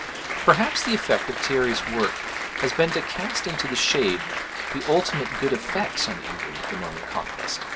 Perhaps the effect of Thierry's work has been to cast into the shade the ultimate good effects on England of the Norman Conquest.